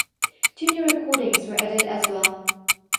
Two new recordings were added as well.